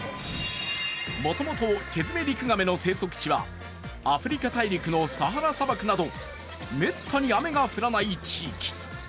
もともとケヅメリクガメの生息地は、アフリカ大陸のサハラ砂漠などめったに雨が降らない地域。